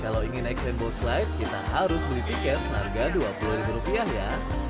kalau ingin naik rainbow slide kita harus beli tiket seharga dua puluh ribu rupiah ya